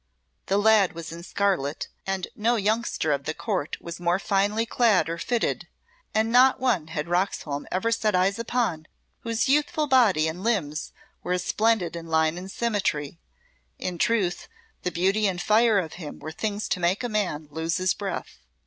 The lad was in scarlet, and no youngster of the Court was more finely clad or fitted, and not one had Roxholm ever set eyes upon whose youthful body and limbs were as splendid in line and symmetry; in truth, the beauty and fire of him were things to make a man lose his breath.